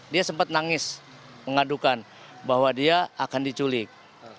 dia sempat nangis mengadukan bahwa dia akan diculik